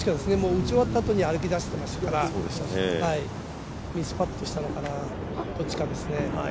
打ち終わったあとに歩き出してますから、ミスパットしたのかな、どっちかですね。